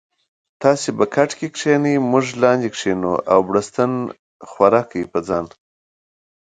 تاسي به کټکی کینې مونږ لاندې کینو او بړستن ښوره کړي په ځان